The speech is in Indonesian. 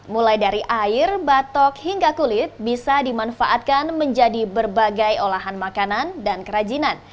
mulai dari air batok hingga kulit bisa dimanfaatkan menjadi berbagai olahan makanan dan kerajinan